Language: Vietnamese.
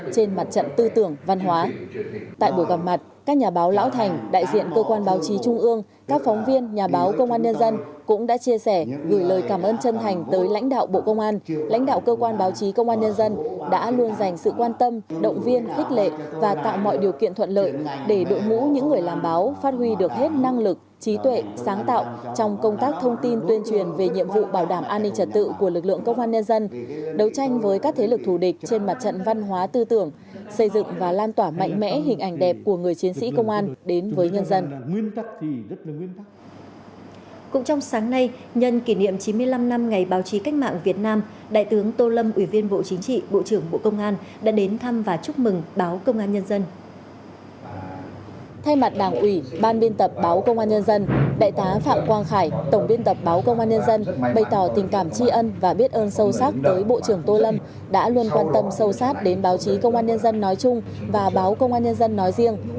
thay mặt đảng ủy ban biên tập báo công an nhân dân đại tá phạm quang khải tổng biên tập báo công an nhân dân bày tỏ tình cảm tri ân và biết ơn sâu sắc tới bộ trưởng tô lâm đã luôn quan tâm sâu sát đến báo chí công an nhân dân nói chung và báo công an nhân dân nói riêng